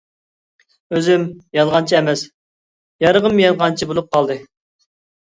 «ئۆزۈم يالغانچى ئەمەس، يارىغىم يالغانچى» بولۇپ قالدى.